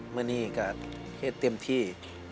วันนี้ก็เต็มที่